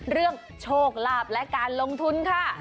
เรื่องโชคลาบและการลงทุนค่ะ